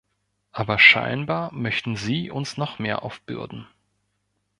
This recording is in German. Aber scheinbar möchten Sie uns noch mehr aufbürden.